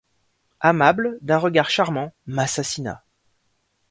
Amable, d'un regard charmant, m'assassina.